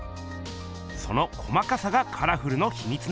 その細かさがカラフルのひみつなんです。